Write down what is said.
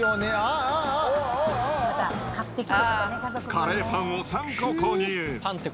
カレーパンを３個購入。